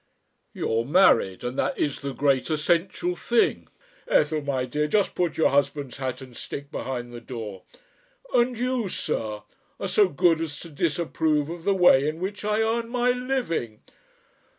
You're married, and that is the great essential thing.... (Ethel, my dear, just put your husband's hat and stick behind the door.) And you, sir, are so good as to disapprove of the way in which I earn my living?"